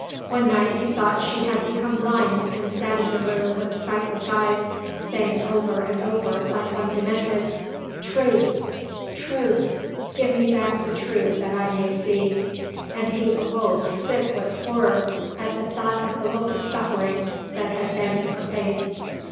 One night he thought she had become blind and sat in the room with sightless eyes saying over and over like one demented, "Truth, truth, give me back the truth that I may see," and he awoke sick with horror at the thought of the look of suffering that had been in her face.